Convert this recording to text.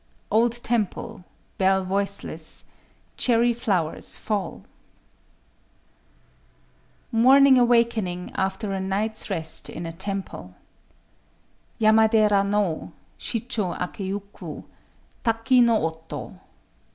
—"Old temple: bell voiceless; cherry flowers fall." MORNING AWAKENING AFTER A NIGHT'S REST IN A TEMPLE Yamadera no Shichō akéyuku: Taki no oto.